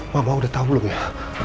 mamah udah tau belum ya